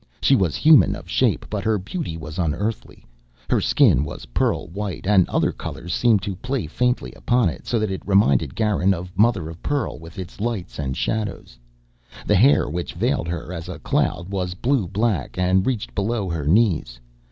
She was human of shape, but her beauty was unearthly. Her skin was pearl white and other colors seemed to play faintly upon it, so that it reminded Garin of mother of pearl with its lights and shadows. The hair, which veiled her as a cloud, was blue black and reached below her knees.